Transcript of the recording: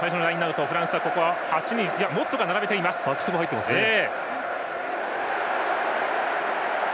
バックスが入っていますね。